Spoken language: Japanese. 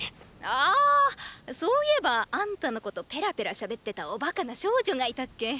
あーそういえばあんたのことペラペラしゃべってたおバカな少女がいたっけ。